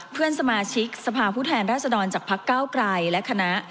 เพื่อนสมาชิกสภาพผู้แทนราชดรจากพักเก้าไกรและคณะ